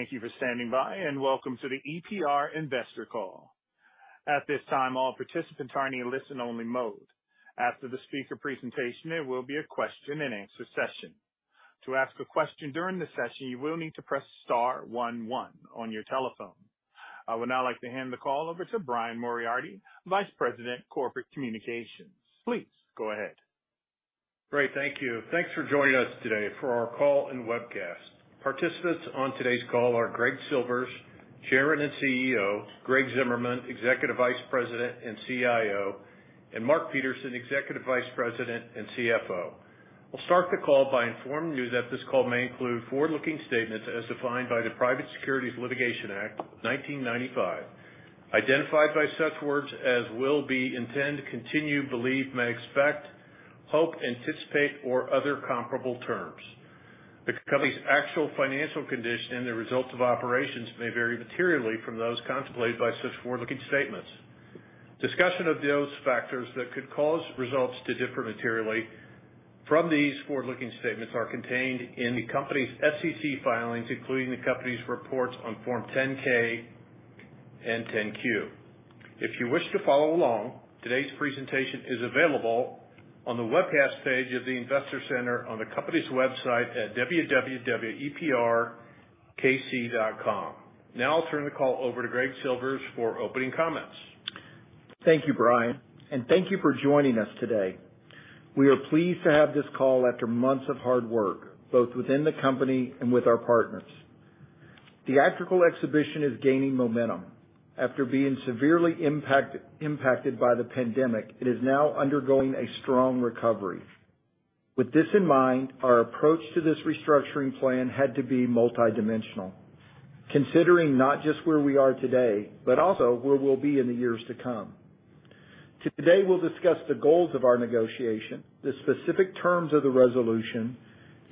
Thank you for standing by. Welcome to the EPR Investor Call. At this time, all participants are in a listen-only mode. After the speaker presentation, there will be a question-and-answer session. To ask a question during the session, you will need to press star one on your telephone. I would now like to hand the call over to Brian Moriarty, Vice President, Corporate Communications. Please go ahead. Great. Thank you. Thanks for joining us today for our call and webcast. Participants on today's call are Greg Silvers, Chairman and CEO, Greg Zimmerman, Executive Vice President and CIO, and Mark Peterson, Executive Vice President and CFO. We'll start the call by informing you that this call may include forward-looking statements as defined by the Private Securities Litigation Reform Act of 1995, identified by such words as will be, intend, continue, believe, may expect, hope, anticipate, or other comparable terms. The company's actual financial condition and the results of operations may vary materially from those contemplated by such forward-looking statements. Discussion of those factors that could cause results to differ materially from these forward-looking statements are contained in the company's SEC filings, including the company's reports on Form 10-K and 10-Q. If you wish to follow along, today's presentation is available on the Webcast page of the Investor Center on the company's website at www.eprkc.com. Now I'll turn the call over to Greg Silvers for opening comments. Thank you, Brian, thank you for joining us today. We are pleased to have this call after months of hard work, both within the company and with our partners. Theatrical exhibition is gaining momentum. After being severely impacted by the pandemic, it is now undergoing a strong recovery. With this in mind, our approach to this restructuring plan had to be multidimensional, considering not just where we are today, but also where we'll be in the years to come. Today, we'll discuss the goals of our negotiation, the specific terms of the resolution,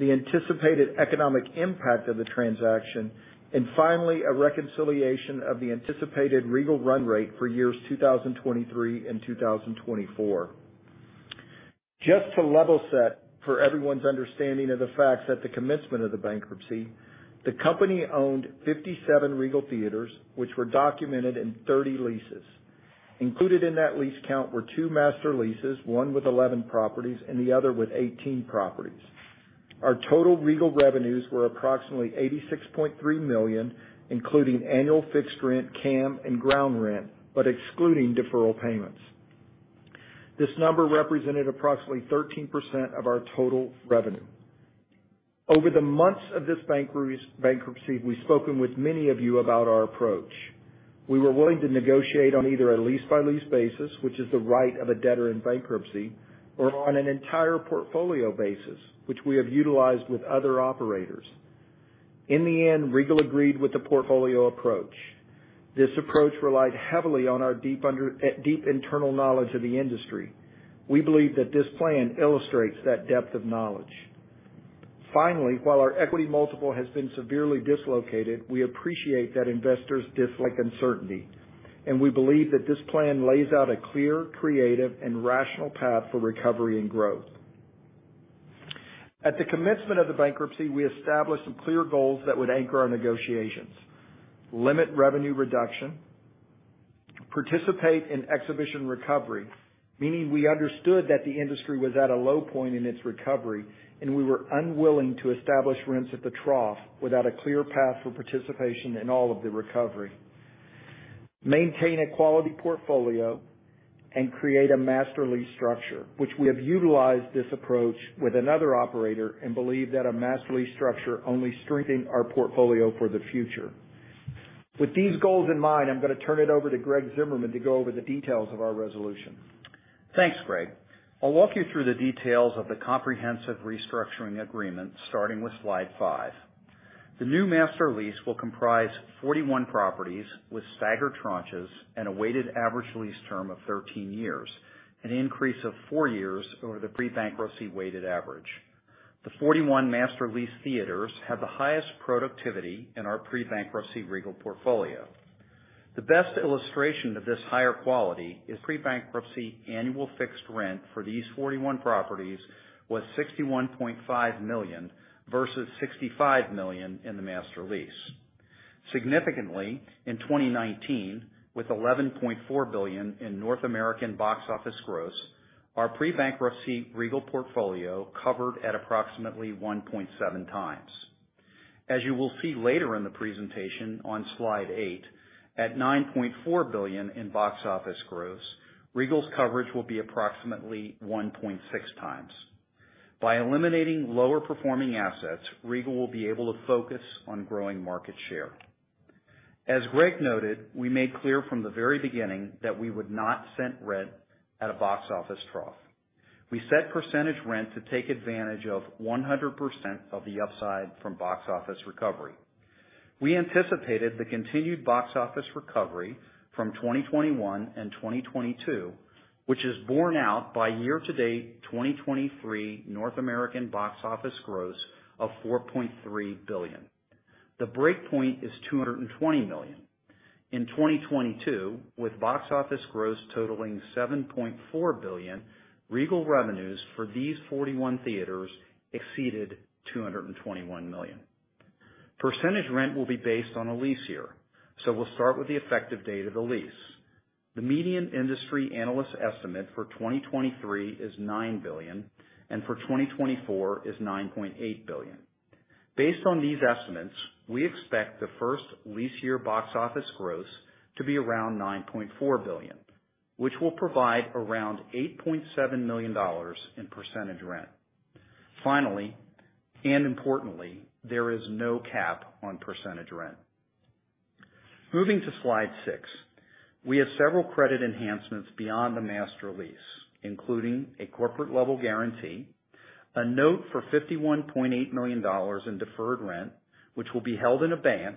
the anticipated economic impact of the transaction, and finally, a reconciliation of the anticipated Regal run rate for years 2023 and 2024. Just to level set for everyone's understanding of the facts, at the commencement of the bankruptcy, the company owned 57 Regal theaters, which were documented in 30 leases. Included in that lease count were two master leases, one with 11 properties and the other with 18 properties. Our total Regal revenues were approximately $86.3 million, including annual fixed rent, CAM, and ground rent, but excluding deferral payments. This number represented approximately 13% of our total revenue. Over the months of this bankruptcy, we've spoken with many of you about our approach. We were willing to negotiate on either a lease-by-lease basis, which is the right of a debtor in bankruptcy, or on an entire portfolio basis, which we have utilized with other operators. In the end, Regal agreed with the portfolio approach. This approach relied heavily on our deep internal knowledge of the industry. We believe that this plan illustrates that depth of knowledge. While our equity multiple has been severely dislocated, we appreciate that investors dislike uncertainty. We believe that this plan lays out a clear, creative, and rational path for recovery and growth. At the commencement of the bankruptcy, we established some clear goals that would anchor our negotiations: limit revenue reduction, participate in exhibition recovery, meaning we understood that the industry was at a low point in its recovery. We were unwilling to establish rents at the trough without a clear path for participation in all of the recovery. Maintain a quality portfolio. Create a master lease structure, which we have utilized this approach with another operator and believe that a master lease structure only strengthen our portfolio for the future. With these goals in mind, I'm gonna turn it over to Greg Zimmerman to go over the details of our resolution. Thanks, Greg. I'll walk you through the details of the comprehensive restructuring agreement, starting with Slide five. The new master lease will comprise 41 properties with staggered tranches and a weighted average lease term of 13 years, an increase of four years over the pre-bankruptcy weighted average. The 41 master lease theaters have the highest productivity in our pre-bankruptcy Regal portfolio. The best illustration of this higher quality is pre-bankruptcy annual fixed rent for these 41 properties was $61.5 million, versus $65 million in the master lease. Significantly, in 2019, with $11.4 billion in North American box office gross, our pre-bankruptcy Regal portfolio covered at approximately 1.7 times. You will see later in the presentation on Slide eight, at $9.4 billion in box office gross, Regal's coverage will be approximately 1.6 times. By eliminating lower-performing assets, Regal will be able to focus on growing market share. As Greg noted, we made clear from the very beginning that we would not set rent at a box office trough. We set percentage rent to take advantage of 100% of the upside from box office recovery. We anticipated the continued box office recovery from 2021 and 2022, which is borne out by year-to-date 2023 North American box office gross of $4.3 billion. The breakpoint is $220 million. In 2022, with box office gross totaling $7.4 billion, Regal revenues for these 41 theaters exceeded $221 million. Percentage rent will be based on a lease year, so we'll start with the effective date of the lease. The median industry analyst estimate for 2023 is $9 billion, and for 2024 is $9.8 billion. Based on these estimates, we expect the first lease year box office gross to be around $9.4 billion, which will provide around $8.7 million in percentage rent. Finally, and importantly, there is no cap on percentage rent. Moving to slide six. We have several credit enhancements beyond the master lease, including a corporate-level guarantee, a note for $51.8 million in deferred rent, which will be held in advance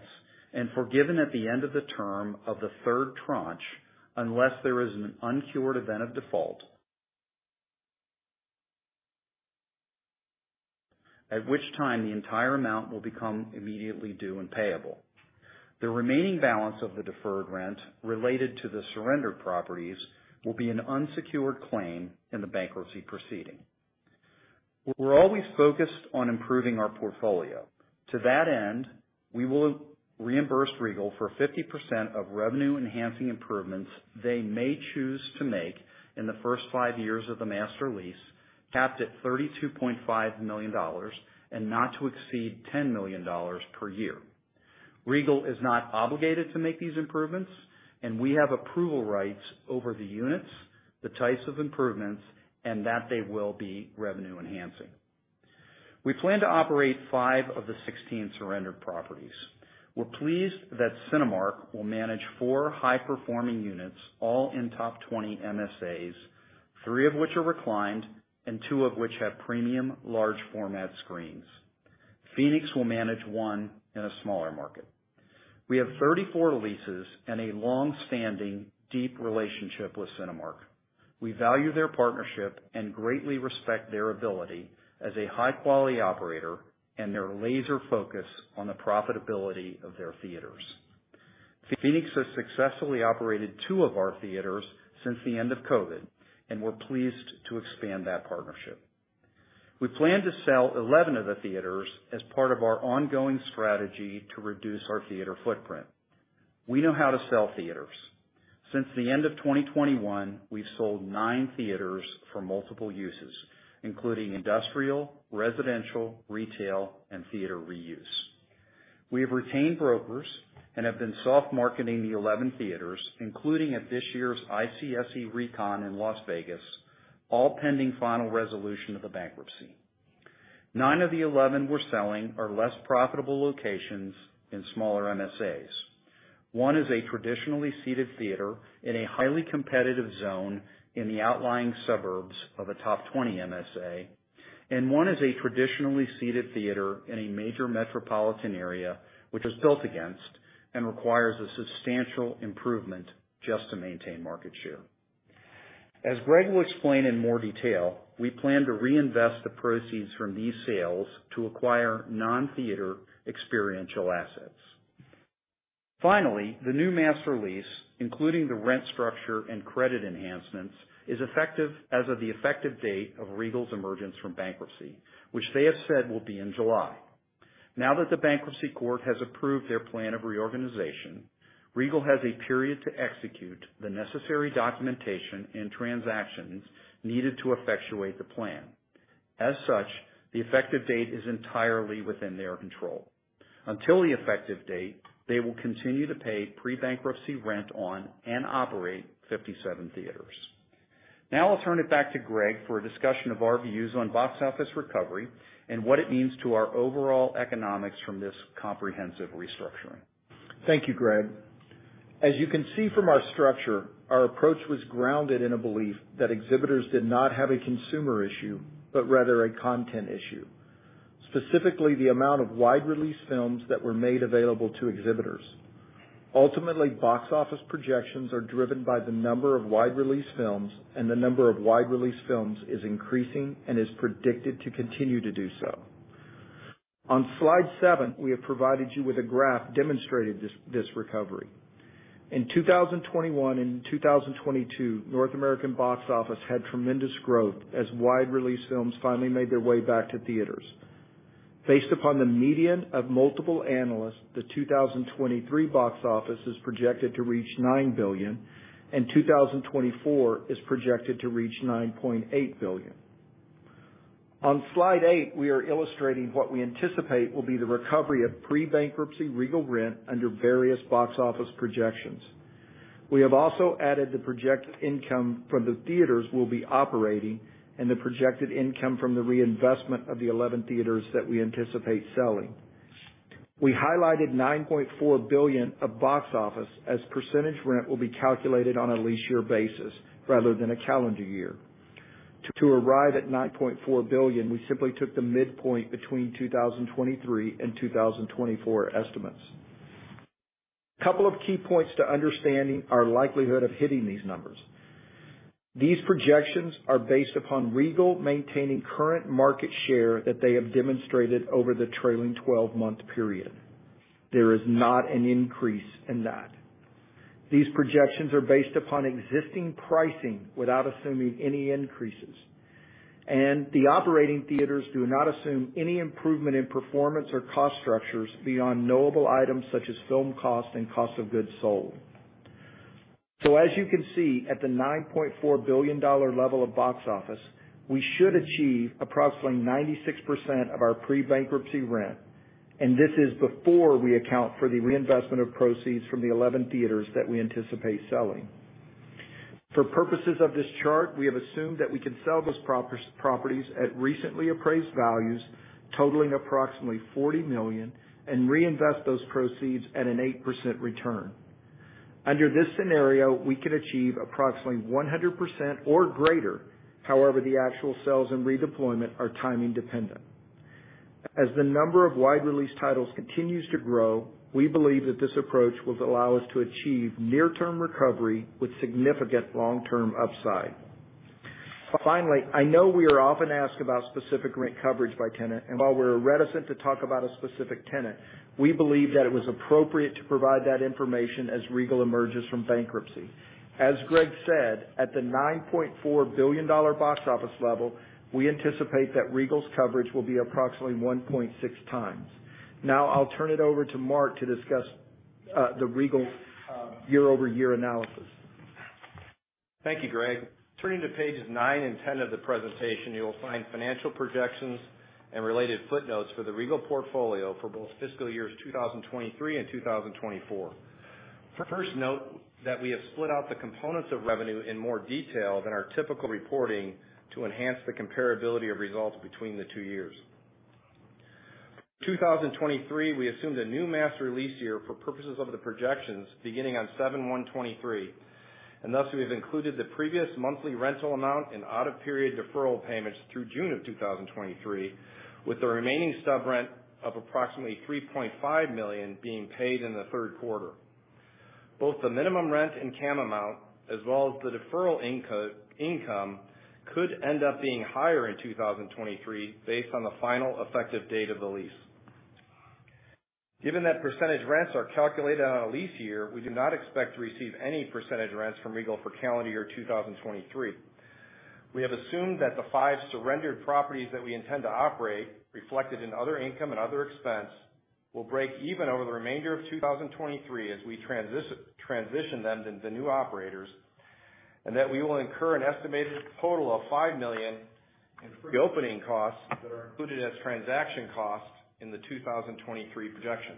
and forgiven at the end of the term of the third tranche, unless there is an uncured event of default. At which time, the entire amount will become immediately due and payable. The remaining balance of the deferred rent related to the surrendered properties will be an unsecured claim in the bankruptcy proceeding. We're always focused on improving our portfolio. To that end, we will reimburse Regal for 50% of revenue-enhancing improvements they may choose to make in the first five years of the master lease, capped at $32.5 million and not to exceed $10 million per year. Regal is not obligated to make these improvements, and we have approval rights over the units, the types of improvements, and that they will be revenue enhancing. We plan to operate five of the 16 surrendered properties. We're pleased that Cinemark will manage four high-performing units, all in top 20 MSAs, three of which are reclined and two of which have premium large format screens. Phoenix will manage one in a smaller market. We have 34 leases and a long-standing, deep relationship with Cinemark. We value their partnership and greatly respect their ability as a high-quality operator and their laser focus on the profitability of their theaters. Phoenix has successfully operated two of our theaters since the end of COVID, and we're pleased to expand that partnership. We plan to sell 11 of the theaters as part of our ongoing strategy to reduce our theater footprint. We know how to sell theaters. Since the end of 2021, we've sold nine theaters for multiple uses, including industrial, residential, retail, and theater reuse. We have retained brokers and have been soft marketing the 11 theaters, including at this year's ICSC RECon in Las Vegas, all pending final resolution of the bankruptcy. Nine of the 11 we're selling are less profitable locations in smaller MSAs. One is a traditionally seated theater in a highly competitive zone in the outlying suburbs of a top 20 MSA, one is a traditionally seated theater in a major metropolitan area, which is built against and requires a substantial improvement just to maintain market share. As Greg will explain in more detail, we plan to reinvest the proceeds from these sales to acquire non-theater experiential assets. Finally, the new master lease, including the rent structure and credit enhancements, is effective as of the effective date of Regal's emergence from bankruptcy, which they have said will be in July. Now that the bankruptcy court has approved their plan of reorganization, Regal has a period to execute the necessary documentation and transactions needed to effectuate the plan. As such, the effective date is entirely within their control. Until the effective date, they will continue to pay pre-bankruptcy rent on and operate 57 theaters. I'll turn it back to Greg for a discussion of our views on box office recovery and what it means to our overall economics from this comprehensive restructuring. Thank you, Greg. As you can see from our structure, our approach was grounded in a belief that exhibitors did not have a consumer issue, but rather a content issue, specifically, the amount of wide-release films that were made available to exhibitors. Ultimately, box office projections are driven by the number of wide-release films, and the number of wide-release films is increasing and is predicted to continue to do so. On slide seven, we have provided you with a graph demonstrating this recovery. In 2021 and in 2022, North American box office had tremendous growth as wide-release films finally made their way back to theaters. Based upon the median of multiple analysts, the 2023 box office is projected to reach $9 billion, and 2024 is projected to reach $9.8 billion. On slide eight, we are illustrating what we anticipate will be the recovery of pre-bankruptcy Regal rent under various box office projections. We have also added the projected income from the theaters we'll be operating and the projected income from the reinvestment of the 11 theaters that we anticipate selling. We highlighted $9.4 billion of box office as percentage rent will be calculated on a lease year basis rather than a calendar year. To arrive at $9.4 billion, we simply took the midpoint between 2023 and 2024 estimates. Couple of key points to understanding our likelihood of hitting these numbers. These projections are based upon Regal maintaining current market share that they have demonstrated over the trailing 12-month period. There is not an increase in that. These projections are based upon existing pricing without assuming any increases, and the operating theaters do not assume any improvement in performance or cost structures beyond knowable items such as film cost and cost of goods sold. As you can see, at the $9.4 billion level of box office, we should achieve approximately 96% of our pre-bankruptcy rent. This is before we account for the reinvestment of proceeds from the 11 theaters that we anticipate selling. For purposes of this chart, we have assumed that we can sell those properties at recently appraised values, totaling approximately $40 million. Reinvest those proceeds at an 8% return. Under this scenario, we can achieve approximately 100% or greater. The actual sales and redeployment are timing dependent. As the number of wide release titles continues to grow, we believe that this approach will allow us to achieve near-term recovery with significant long-term upside. I know we are often asked about specific rent coverage by tenant, and while we're reticent to talk about a specific tenant, we believe that it was appropriate to provide that information as Regal emerges from bankruptcy. As Greg said, at the $9.4 billion box office level, we anticipate that Regal's coverage will be approximately 1.6 times. I'll turn it over to Mark to discuss the Regal year-over-year analysis. Thank you, Greg. Turning to pages nine and 10 of the presentation, you will find financial projections and related footnotes for the Regal portfolio for both fiscal years 2023 and 2024. First, note that we have split out the components of revenue in more detail than our typical reporting to enhance the comparability of results between the two years. 2023, we assumed a new master lease year for purposes of the projections beginning on 7/1/2023, and thus we have included the previous monthly rental amount in out-of-period deferral payments through June of 2023, with the remaining subrent of approximately $3.5 million being paid in the third quarter. Both the minimum rent and CAM amount, as well as the deferral income, could end up being higher in 2023 based on the final effective date of the lease. Given that percentage rents are calculated on a lease year, we do not expect to receive any percentage rents from Regal for calendar year 2023. We have assumed that the five surrendered properties that we intend to operate, reflected in other income and other expense, will break even over the remainder of 2023 as we transition them to the new operators, and that we will incur an estimated total of $5 million in reopening costs that are included as transaction costs in the 2023 projection.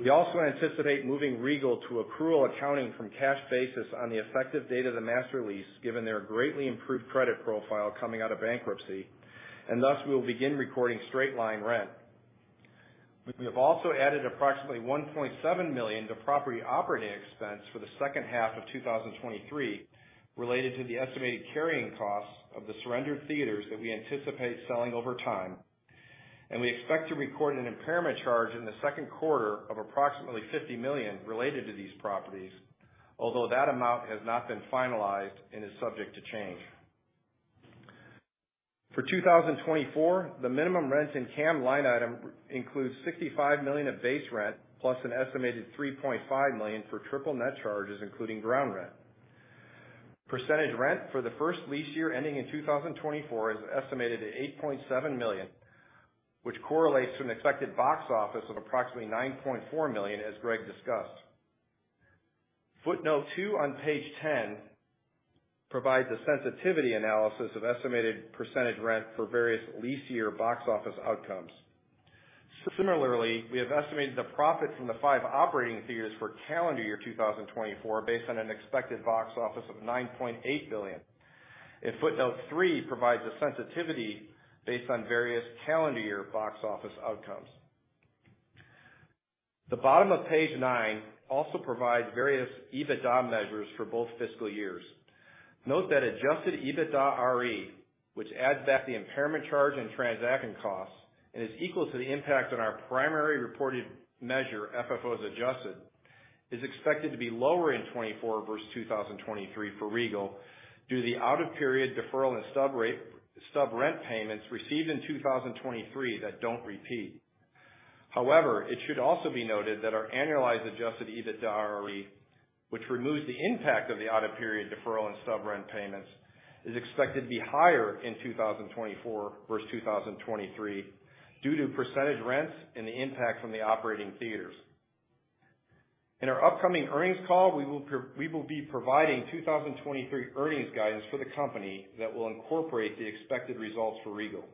We also anticipate moving Regal to accrual accounting from cash basis on the effective date of the master lease, given their greatly improved credit profile coming out of bankruptcy, thus we will begin recording straight-line rent. We have also added approximately $1.7 million to property operating expense for the second half of 2023, related to the estimated carrying costs of the surrendered theaters that we anticipate selling over time. We expect to record an impairment charge in the second quarter of approximately $50 million related to these properties, although that amount has not been finalized and is subject to change. For 2024, the minimum rent and CAM line item includes $65 million of base rent, plus an estimated $3.5 million for triple net charges, including ground rent. Percentage rent for the first lease year, ending in 2024, is estimated at $8.7 million, which correlates to an expected box office of approximately $9.4 million, as Greg discussed. Footnote two on page 10 provides a sensitivity analysis of estimated percentage rent for various lease year box office outcomes. Similarly, we have estimated the profit from the five operating theaters for calendar year 2024, based on an expected box office of $9.8 billion, and footnote three provides a sensitivity based on various calendar year box office outcomes. The bottom of page nine also provides various EBITDA measures for both fiscal years. Note that adjusted EBITDARE, which adds back the impairment charge and transaction costs and is equal to the impact on our primary reported measure, FFO as adjusted, is expected to be lower in 2024 versus 2023 for Regal due to the out-of-period deferral and subrent payments received in 2023 that don't repeat. However, it should also be noted that our annualized adjusted EBITDARE, which removes the impact of the out-of-period deferral and subrent payments, is expected to be higher in 2024 versus 2023 due to percentage rents and the impact from the operating theaters. In our upcoming earnings call, we will be providing 2023 earnings guidance for the company that will incorporate the expected results for Regal.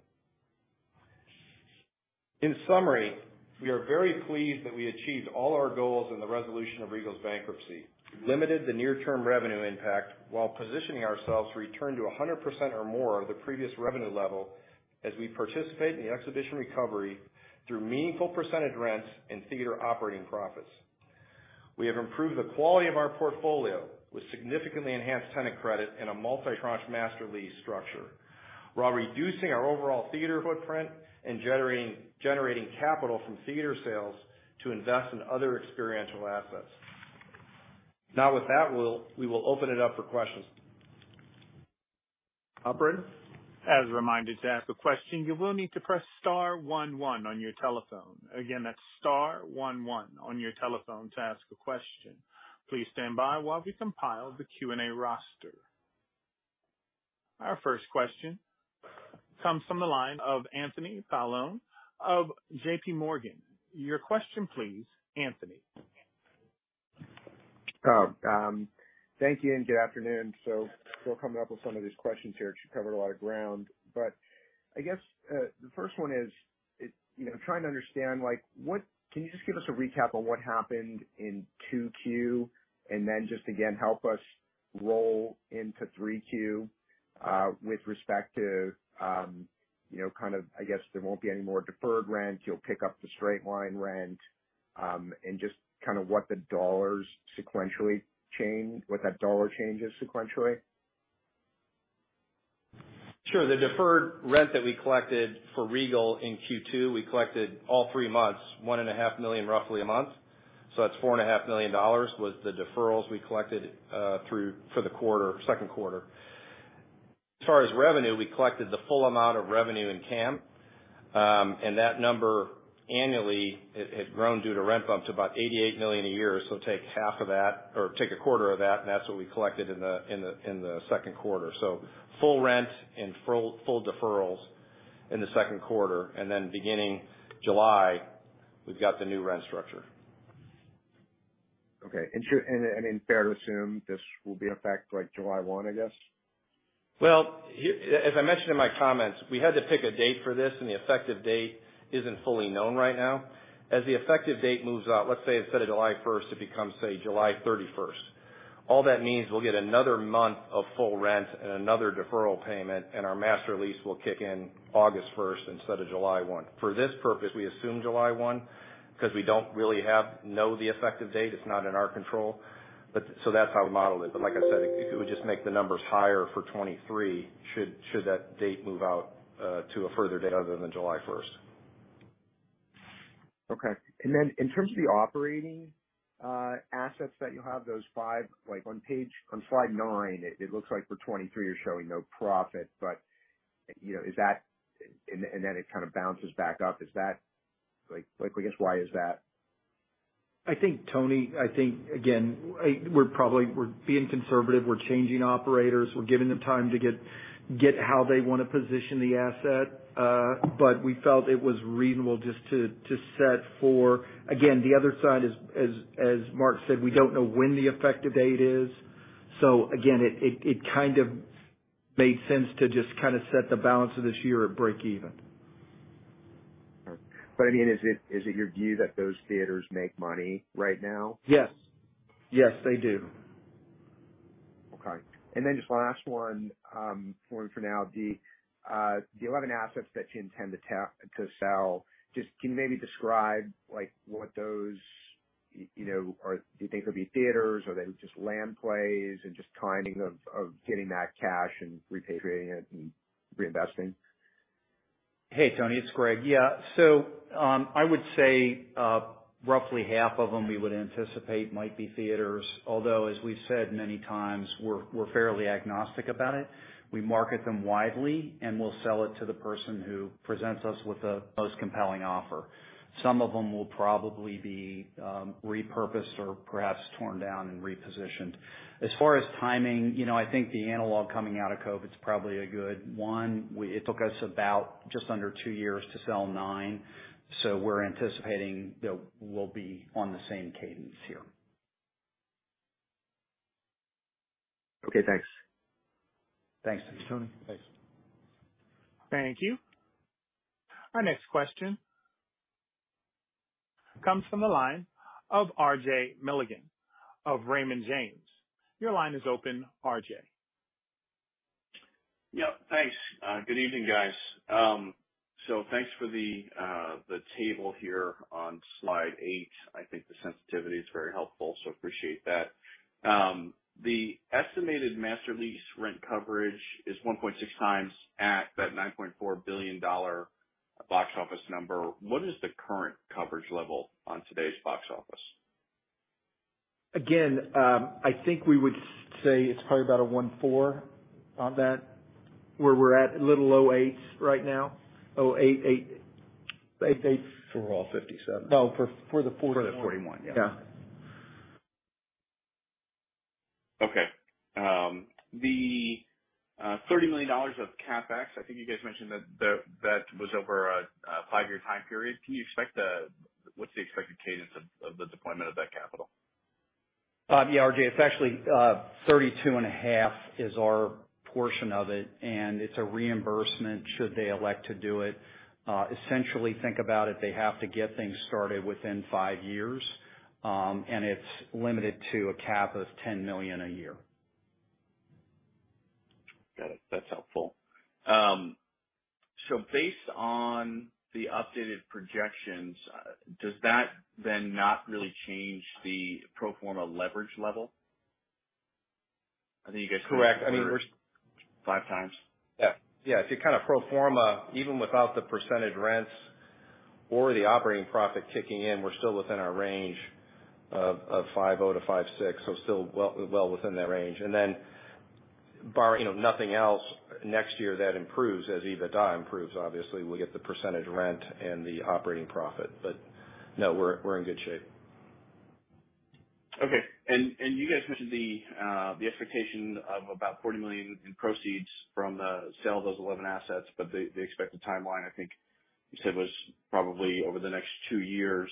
In summary, we are very pleased that we achieved all our goals in the resolution of Regal's bankruptcy, limited the near-term revenue impact while positioning ourselves to return to 100% or more of the previous revenue level as we participate in the exhibition recovery through meaningful percentage rents and theater operating profits. We have improved the quality of our portfolio with significantly enhanced tenant credit and a multi-tranche master lease structure. While reducing our overall theater footprint and generating capital from theater sales to invest in other experiential assets. Now, with that, we will open it up for questions. Operator? As a reminder, to ask a question, you will need to press star one on your telephone. Again, that's star one on your telephone to ask a question. Please stand by while we compile the Q&A roster. Our first question comes from the line of Anthony Paolone of J.P. Morgan. Your question please, Anthony. Thank you, and good afternoon. Still coming up with some of these questions here. You covered a lot of ground, but I guess, the first one is, you know, trying to understand, like, can you just give us a recap on what happened in 2Q, and then just again, help us roll into 3Q, with respect to, you know, kind of I guess there won't be any more deferred rent, you'll pick up the straight-line rent, and just kind of what the dollars sequentially change, what that dollar change is sequentially? Sure. The deferred rent that we collected for Regal in Q2, we collected all three months, $1.5 million, roughly a month. That's $4.5 million was the deferrals we collected for the quarter, second quarter. As far as revenue, we collected the full amount of revenue in CAM. That number annually it had grown due to rent bumps to about $88 million a year. Take half of that, or take a quarter of that, and that's what we collected in the second quarter. Full rent and full deferrals in the second quarter, and then beginning July, we've got the new rent structure. Okay. Should, and fair to assume this will be in effect, like July 1, I guess? Well, here, as I mentioned in my comments, we had to pick a date for this. The effective date isn't fully known right now. As the effective date moves out, let's say instead of July 1st, it becomes, say, July 31st. All that means we'll get another month of full rent and another deferral payment, and our master lease will kick in August 1st instead of July 1. For this purpose, we assume July 1 because we don't really know the effective date. It's not in our control. That's how we modeled it. Like I said, it would just make the numbers higher for 2023, should that date move out to a further date other than July 1st. Okay. In terms of the operating assets that you have, those five, like on page, on slide nine, it looks like the 23 are showing no profit, but, you know, then it kind of bounces back up. Is that like, I guess, why is that? I think, Tony, I think, again, we're probably, we're being conservative, we're changing operators. We're giving them time to get how they want to position the asset. We felt it was reasonable just to set for, again, the other side, as Mark said, we don't know when the effective date is. Again, it kind of made sense to just kind of set the balance of this year at break even. I mean, is it your view that those theaters make money right now? Yes. Yes, they do. Just last one for now, the 11 assets that you intend to sell, just can you maybe describe, like, what those you know, or do you think they'll be theaters, or are they just land plays and just timing of getting that cash and repatriating it and reinvesting? Hey, Tony, it's Greg. Yeah. I would say roughly half of them we would anticipate might be theaters, although, as we've said many times, we're fairly agnostic about it. We market them widely, and we'll sell it to the person who presents us with the most compelling offer. Some of them will probably be repurposed or perhaps torn down and repositioned. As far as timing, you know, I think the analog coming out of COVID is probably a good one. It took us about just under two years to sell nine, so we're anticipating that we'll be on the same cadence here. Okay, thanks. Thanks, Tony. Thanks. Thank you. Our next question comes from the line of RJ Milligan of Raymond James. Your line is open, RJ. Yep, thanks. Good evening, guys. Thanks for the table here on Slide 8. I think the sensitivity is very helpful, so appreciate that. The estimated master lease rent coverage is 1.6 times at that $9.4 billion box office number. What is the current coverage level on today's box office? I think we would say it's probably about a 1.4 on that, where we're at, a little low 8s right now. Oh, 8. For all 57. Oh, for the 41. For the 41. Yeah. Okay. The $30 million of CapEx, I think you guys mentioned that was over a five-year time period. What's the expected cadence of the deployment of that capital? Yeah, RJ, it's actually, thirty-two and a half is our portion of it, and it's a reimbursement, should they elect to do it. Essentially, think about it, they have to get things started within five years, and it's limited to a cap of $10 million a year. Got it. That's helpful. Based on the updated projections, does that then not really change the pro forma leverage level? Correct. I mean, Five times. Yeah, yeah. If you kind of pro forma, even without the percentage rents or the operating profit kicking in, we're still within our range of $5.00-$5.60. Still well within that range. Then barring, you know, nothing else, next year, that improves as EBITDA improves. Obviously, we'll get the percentage rent and the operating profit. No, we're in good shape. Okay. You guys mentioned the expectation of about $40 million in proceeds from the sale of those 11 assets, but the expected timeline, I think you said, was probably over the next two years.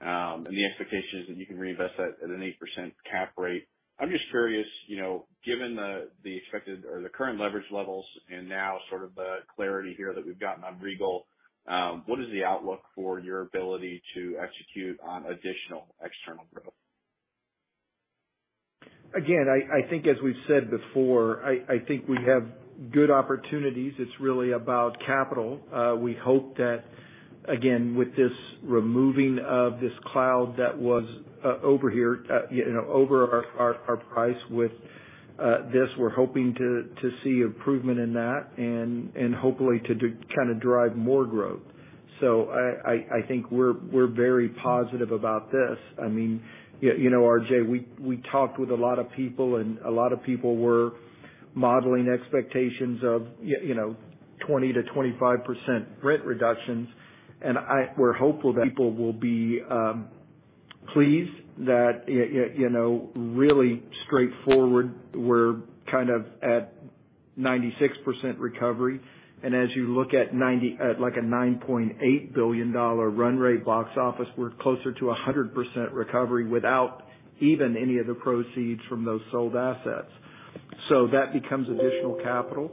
The expectation is that you can reinvest that at an 8% cap rate. I'm just curious, you know, given the expected or the current leverage levels and now sort of the clarity here that we've gotten on Regal, what is the outlook for your ability to execute on additional external growth? Again, I think as we've said before, I think we have good opportunities. It's really about capital. We hope that, again, with this removing of this cloud that was over here, you know, over our price with this, we're hoping to see improvement in that and hopefully to drive more growth. I think we're very positive about this. I mean, you know, RJ, we talked with a lot of people, and a lot of people were modeling expectations of you know, 20%-25% rent reductions. We're hopeful that people will be pleased that, you know, really straightforward, we're kind of at 96% recovery. As you look at ninety... like a $9.8 billion run rate box office, we're closer to 100% recovery without even any of the proceeds from those sold assets. That becomes additional capital.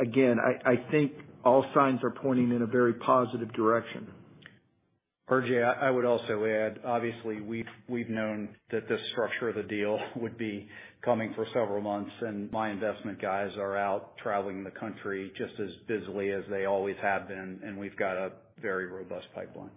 again, I think all signs are pointing in a very positive direction. RJ, I would also add, obviously we've known that the structure of the deal would be coming for several months, and my investment guys are out traveling the country just as busily as they always have been, and we've got a very robust pipeline.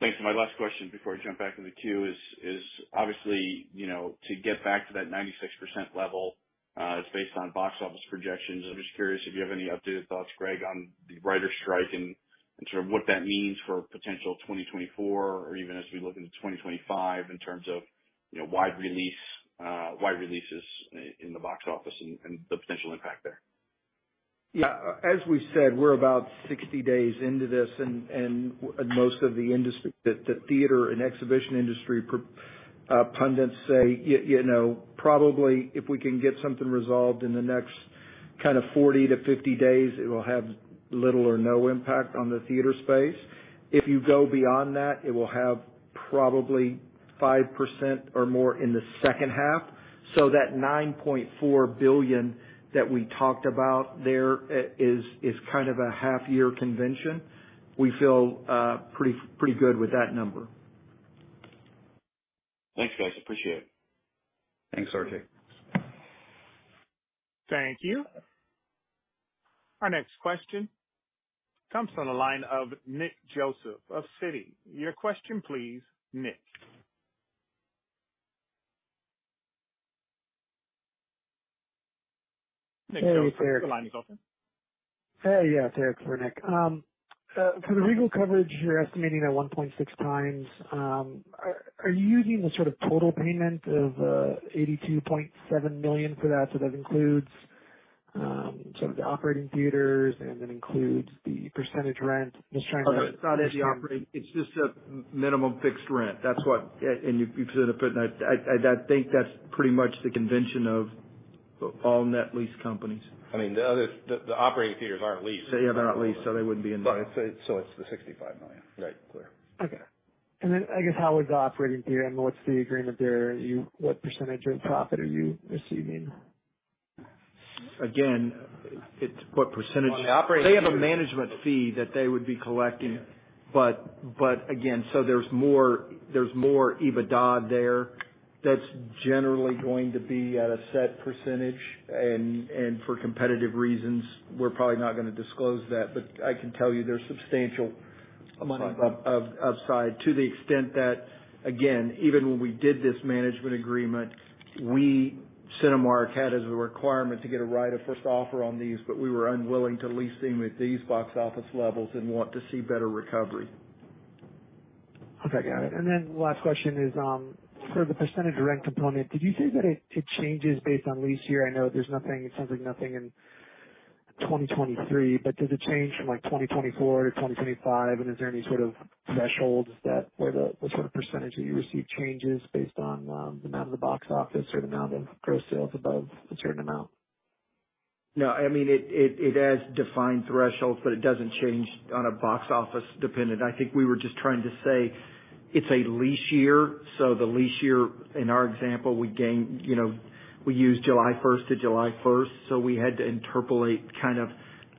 Thanks. My last question before I jump back in the queue, is obviously, you know, to get back to that 96% level, it's based on box office projections. I'm just curious if you have any updated thoughts, Greg, on the writers' strike and sort of what that means for potential 2024 or even as we look into 2025, in terms of, you know, wide release, wide releases in the box office and the potential impact there? As we said, we're about 60 days into this, and most of the industry, the theater and exhibition industry pundits say, you know, probably if we can get something resolved in the next kind of 40 to 50 days, it will have little or no impact on the theater space. If you go beyond that, it will have probably 5% or more in the second half. That $9.4 billion that we talked about there is kind of a half year convention. We feel pretty good with that number. Thanks, guys. Appreciate it. Thanks, RJ. Thank you. Our next question comes from the line of Nick Joseph of Citi. Your question please, Nick. Nick Joseph, your line is open. Hey, yeah, it's Eric for Nick. For the Regal coverage, you're estimating at 1.6x. Are you using the sort of total payment of $82.7 million for that? That includes sort of the operating theaters, and that includes the percentage rent. Just trying to. It's not the operating. It's just a minimum fixed rent. That's what. I think that's pretty much the convention of all net lease companies. I mean, the other, the operating theaters aren't leased. Yeah, they're not leased, so they wouldn't be in there. it's the $65 million. Right. Clear. Okay. I guess, how are the operating theater and what's the agreement there? What percentage of profit are you receiving? Again, it's what percentage- Well, the operating theaters... They have a management fee that they would be collecting. Again, there's more EBITDA there. That's generally going to be at a set percentage. For competitive reasons, we're probably not going to disclose that. I can tell you there's. of upside to the extent that, again, even when we did this management agreement, we, Cinemark, had as a requirement to get a right of first offer on these, but we were unwilling to lease them at these box office levels and want to see better recovery. Okay, got it. Last question is, for the percentage rent component, did you say that it changes based on lease year? I know there's nothing, it sounds like nothing in 2023, but does it change from, like, 2024 to 2025? Is there any sort of thresholds that, where the sort of percentage that you receive changes based on the amount of the box office or the amount of gross sales above a certain amount? No, I mean it has defined thresholds, but it doesn't change on a box office dependent. I think we were just trying to say it's a lease year. The lease year, in our example, we gained, you know, we used July first to July first, so we had to interpolate kind of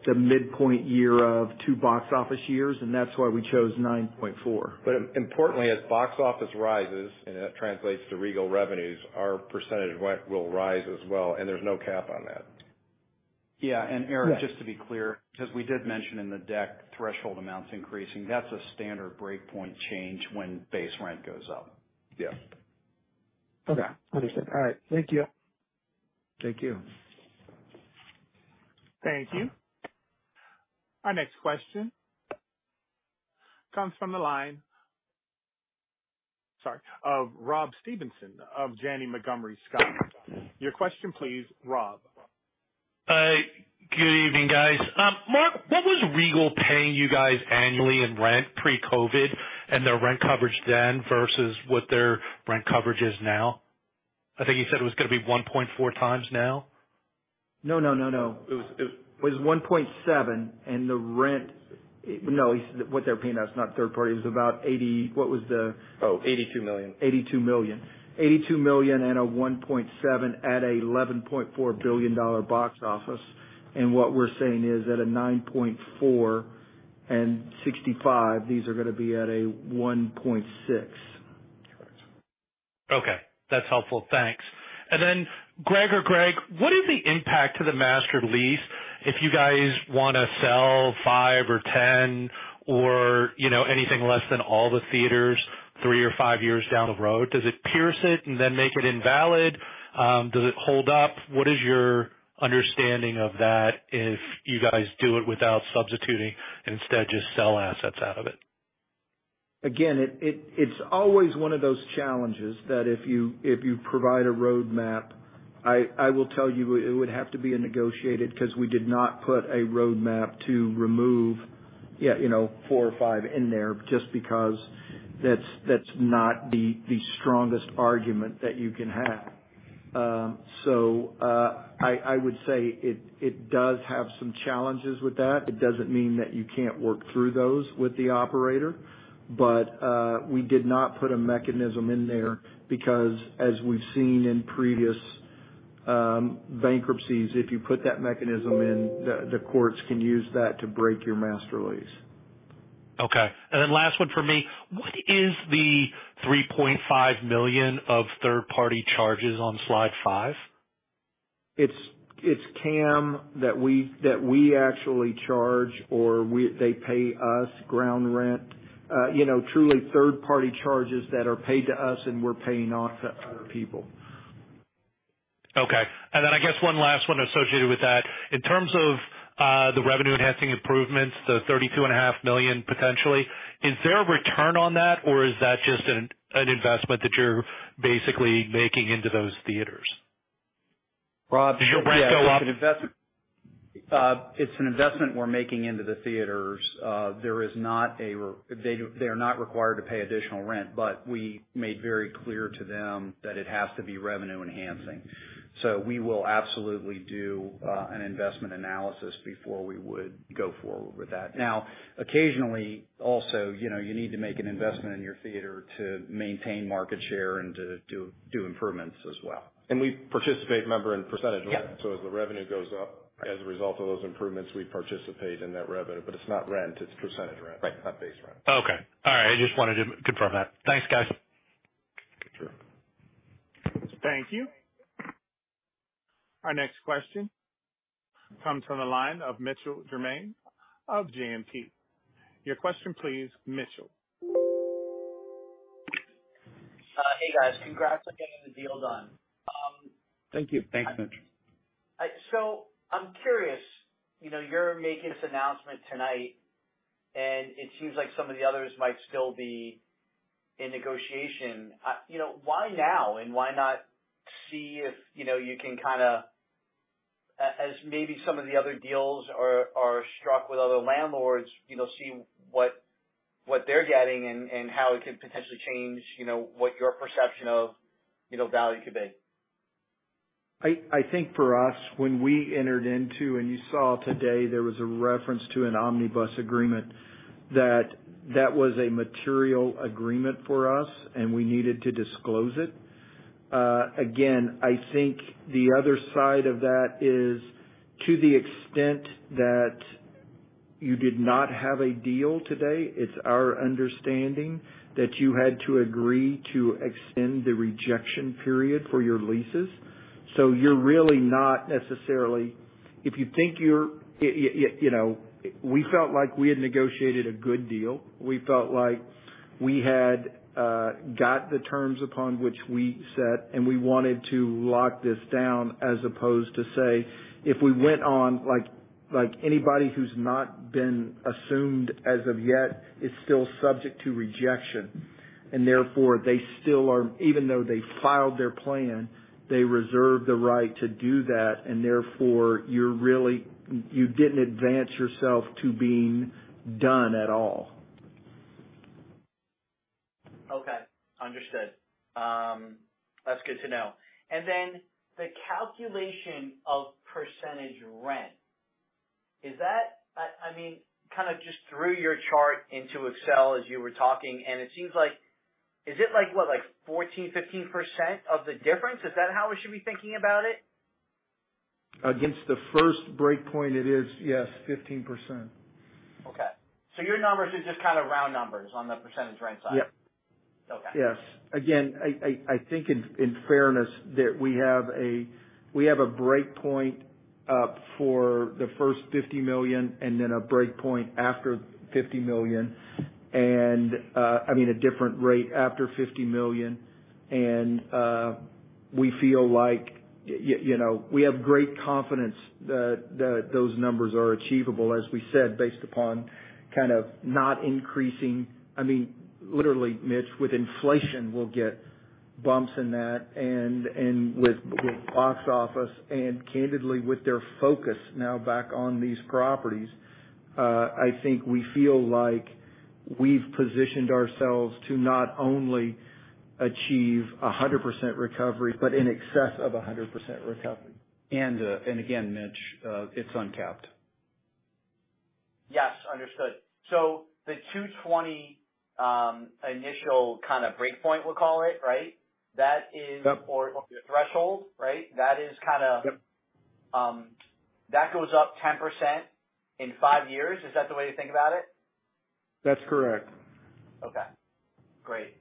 the midpoint year of two box office years, and that's why we chose 9.4. Importantly, as box office rises, and that translates to Regal revenues, our percentage rent will rise as well, and there's no cap on that. Yeah, Eric, just to be clear, because we did mention in the deck threshold amounts increasing, that's a standard breakpoint change when base rent goes up. Yeah. Understood. Thank you. Thank you. Thank you. Our next question comes from the line, sorry, of Rob Stevenson of Janney Montgomery Scott. Your question please, Rob. Good evening, guys. Mark, what was Regal paying you guys annually in rent pre-COVID and their rent coverage then versus what their rent coverage is now? I think you said it was gonna be 1.4 times now. No, no, no. It was $1.7 and the rent. No, he said what they're paying now, it's not third party. It was about $80. What was the? Oh, $82 million. $82 million. $82 million and a 1.7 at a $11.4 billion box office. What we're saying is at a 9.4 and 65, these are going to be at a 1.6. Okay, that's helpful. Thanks. Greg or Greg, what is the impact to the master lease if you guys wanna sell 5 or 10 or, you know, anything less than all the theaters 3 or 5 years down the road? Does it pierce it and then make it invalid? Does it hold up? What is your understanding of that if you guys do it without substituting and instead just sell assets out of it? Again, it's always one of those challenges that if you, if you provide a roadmap, I will tell you, it would have to be a negotiated because we did not put a roadmap to remove, you know, four or five in there just because that's not the strongest argument that you can have. I would say it does have some challenges with that. It doesn't mean that you can't work through those with the operator, but we did not put a mechanism in there because as we've seen in previous bankruptcies, if you put that mechanism in, the courts can use that to break your master lease. Okay, last one for me. What is the $3.5 million of third-party charges on slide five? It's CAM that we actually charge or they pay us ground rent. You know, truly third-party charges that are paid to us and we're paying off to other people. Okay. I guess one last one associated with that. In terms of the revenue-enhancing improvements, the thirty-two and a half million, potentially, is there a return on that, or is that just an investment that you're basically making into those theaters? Rob- Does your rent go up? It's an investment. It's an investment we're making into the theaters. They're not required to pay additional rent, we made very clear to them that it has to be revenue enhancing. We will absolutely do an investment analysis before we would go forward with that. Occasionally, also, you know, you need to make an investment in your theater to maintain market share and to do improvements as well. We participate, remember, in percentage rent. Yeah. As the revenue goes up as a result of those improvements, we participate in that revenue, but it's not rent, it's percentage rent. Right. Not base rent. Okay. All right. I just wanted to confirm that. Thanks, guys. Sure. Thank you. Our next question comes from the line of Mitchell Germain of JMP. Your question please, Mitchell. hey, guys. Congrats on getting the deal done. Thank you. Thanks, Mitchell. I'm curious, you know, you're making this announcement tonight, and it seems like some of the others might still be in negotiation. You know, why now? Why not see if, you know, you can kind of, as maybe some of the other deals are struck with other landlords, you know, see what they're getting and how it could potentially change, you know, what your perception of, you know, value could be. I think for us, when we entered into and you saw today, there was a reference to an Omnibus Agreement, that was a material agreement for us, and we needed to disclose it. Again, I think the other side of that is, to the extent that you did not have a deal today, it's our understanding that you had to agree to extend the rejection period for your leases. You're really not necessarily. If you think you're, you know, we felt like we had negotiated a good deal. We felt like we had got the terms upon which we set. We wanted to lock this down, as opposed to say, if we went on like anybody who's not been assumed as of yet is still subject to rejection. Therefore, they still are, even though they filed their plan, they reserve the right to do that. Therefore, you really didn't advance yourself to being done at all. Okay, understood. That's good to know. The calculation of percentage rent, is that, I mean, kind of just threw your chart into Excel as you were talking, it seems like. Is it like, what, like 14%, 15% of the difference? Is that how we should be thinking about it? Against the first breakpoint, it is, yes, 15%. Okay, your numbers are just kind of round numbers on the percentage rent side? Yep. Yes. I think in fairness, that we have a breakpoint for the first $50 million and then a breakpoint after $50 million. I mean, a different rate after $50 million. We feel like, you know, we have great confidence that those numbers are achievable, as we said, based upon kind of not increasing. I mean, literally, Mitch, with inflation, we'll get bumps in that and with box office and candidly, with their focus now back on these properties, I think we feel like we've positioned ourselves to not only achieve 100% recovery, but in excess of 100% recovery. Again, Mitch, it's uncapped. Yes, understood. The 220 initial kind of breakpoint, we'll call it, rIght? ...threshold, right? Yep. That goes up 10% in 5 years. Is that the way to think about it? That's correct. Okay, great.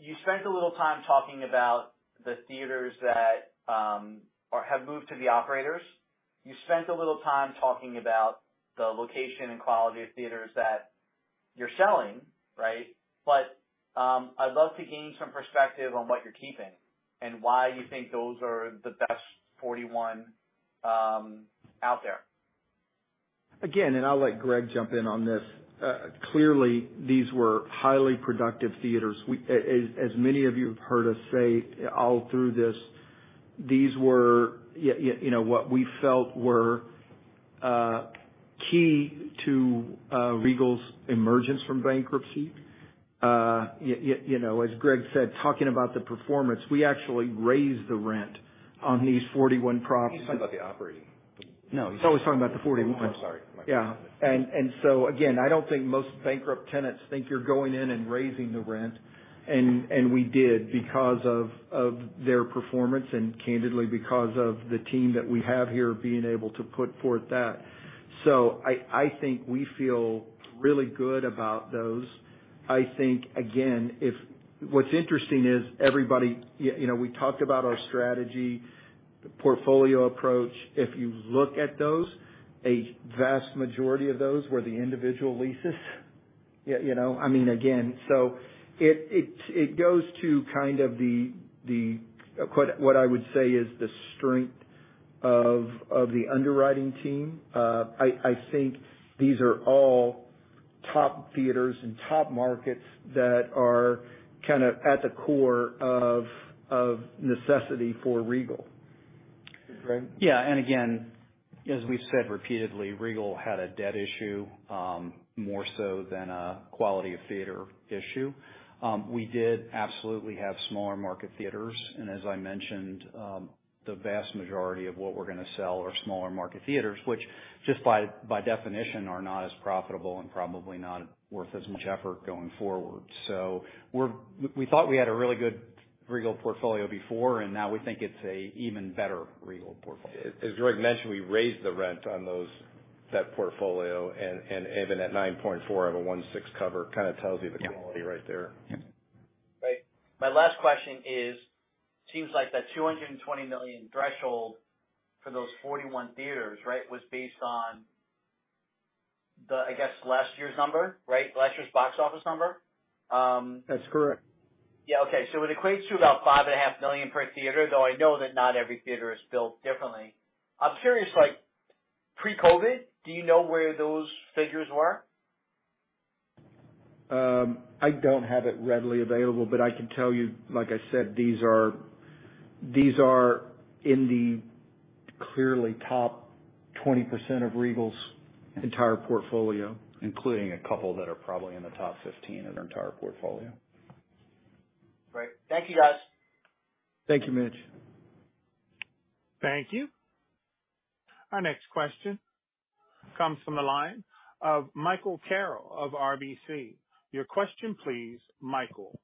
You spent a little time talking about the theaters that have moved to the operators. You spent a little time talking about the location and quality of theaters that you're selling, right? I'd love to gain some perspective on what you're keeping and why you think those are the best 41 out there. Again, I'll let Greg jump in on this. Clearly, these were highly productive theaters. We, as many of you have heard us say all through this, these were, you know, what we felt were key to Regal's emergence from bankruptcy. You know, as Greg said, talking about the performance, we actually raised the rent on these 41 properties. He's talking about the operating. No, I was talking about the 41. I'm sorry. Yeah. Again, I don't think most bankrupt tenants think you're going in and raising the rent. We did because of their performance and candidly, because of the team that we have here being able to put forth that. I think we feel really good about those. I think, again, if. What's interesting is everybody, you know, we talked about our strategy, the portfolio approach. If you look at those, a vast majority of those were the individual leases. You know, I mean, again, so it goes to kind of the what I would say is the strength of the underwriting team. I think these are all top theaters and top markets that are kind of at the core of necessity for Regal. Greg? Yeah. Again, as we've said repeatedly, Regal had a debt issue, more so than a quality of theater issue. We did absolutely have smaller market theaters, As I mentioned, the vast majority of what we're gonna sell are smaller market theaters, which just by definition, are not as profitable and probably not worth as much effort going forward. We thought we had a really good Regal portfolio before, and now we think it's a even better Regal portfolio. As Greg mentioned, we raised the rent on those, that portfolio, and even at 9.4 of a 1.6 cover, kind of tells you the quality right there. Yeah. Right. My last question is: seems like that $220 million threshold for those 41 theaters, right, was based on the, I guess, last year's number, right? Last year's box office number. That's correct. Yeah. Okay. it equates to about $5 and a half million per theater, though I know that not every theater is built differently. I'm curious, like pre-COVID, do you know where those figures were? I don't have it readily available, but I can tell you, like I said, these are in the clearly top 20% of Regal's entire portfolio. Including a couple that are probably in the top 15 of their entire portfolio. Great. Thank you, guys. Thank you, Mitch. Thank you. Our next question comes from the line of Michael Carroll of RBC. Your question please, Michael.